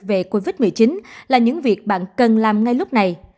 về covid một mươi chín là những việc bạn cần làm ngay lúc này